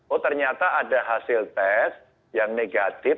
oh ternyata ada hasil tes yang negatif